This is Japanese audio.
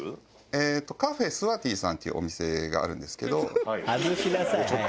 えーっとカフェスワティさんっていうお店があるんですけど。